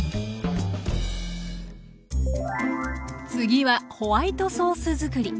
次はホワイトソースづくり。